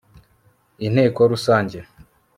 inteko rusange